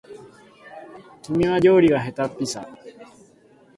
君は料理がへたっぴさ